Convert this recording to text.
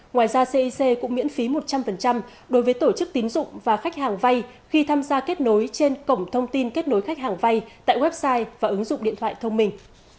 ngoài ra cec cũng miễn phí một trăm linh đối với tổ chức tín dụng và khách hàng vay khi tham gia kết nối trên cổng thông tin kết nối khách hàng vay tại website và ứng dụng điện thoại thông minh